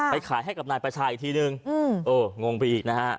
ขายให้กับนายประชาอีกทีนึงเอองงไปอีกนะฮะ